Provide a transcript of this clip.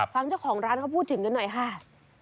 ฟังเจ้าของร้านเขาพูดถึงกันหน่อยค่ะ